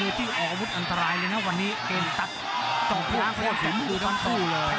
อาวุธน่ากลัวเลยนะพฤศุพรรณวันนี้